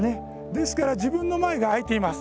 ですから自分の前が空いています。